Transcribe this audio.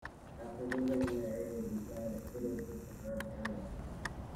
After visiting the area he said: It is a superb area.